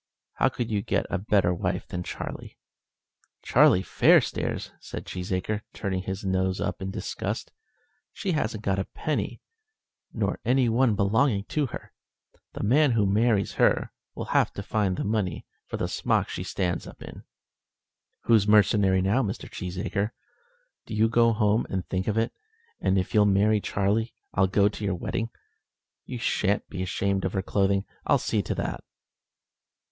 How could you get a better wife than Charlie?" "Charlie Fairstairs!" said Cheesacre, turning up his nose in disgust. "She hasn't got a penny, nor any one belonging to her. The man who marries her will have to find the money for the smock she stands up in." "Who's mercenary now, Mr. Cheesacre? Do you go home and think of it; and if you'll marry Charlie, I'll go to your wedding. You shan't be ashamed of her clothing. I'll see to that."